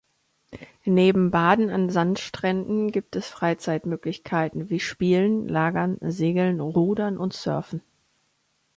Neben Baden an Sandstränden gibt es Freizeitmöglichkeiten, wie Spielen, Lagern, Segeln, Rudern und Surfen.